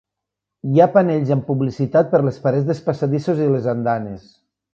Hi ha panells amb publicitat per les parets dels passadissos i les andanes.